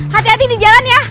hati hati nih jalan ya